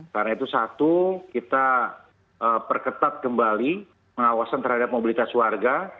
karena itu satu kita perketat kembali mengawasan terhadap mobilitas warga